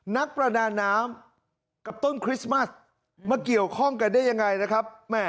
นักประดาน้ำกับต้นคริสต์มัสมาเกี่ยวข้องกันได้ยังไงนะครับ